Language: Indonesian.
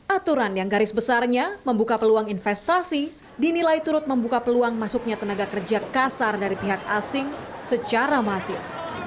aturan yang garis besarnya membuka peluang investasi dinilai turut membuka peluang masuknya tenaga kerja kasar dari pihak asing secara masif